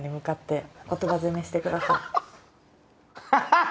ハハハ！